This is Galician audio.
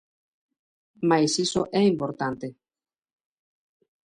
Mais iso é importante.